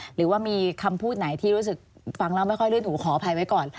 หรือว่ามีคำพูดไหนที่รู้สึกฟังแล้วไม่ค่อยลื่นหูขออภัยไว้ก่อน